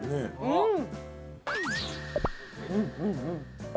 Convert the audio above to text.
うん！